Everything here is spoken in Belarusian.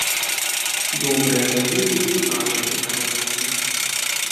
Добрыя навіны і ў нашай эканоміцы.